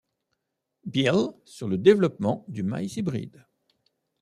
Beal sur le développement du maïs hybride.